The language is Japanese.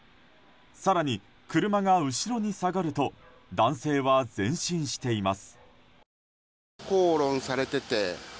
更に車が後ろに下がると男性は前進しています。